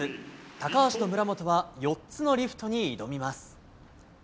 高橋と村元は４つのリフトに挑みます。